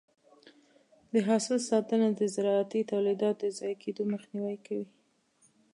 د حاصل ساتنه د زراعتي تولیداتو د ضایع کېدو مخنیوی کوي.